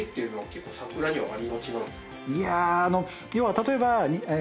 いや要は例えば。